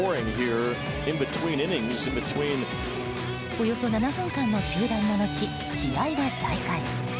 およそ７分間の中断の後試合は再開。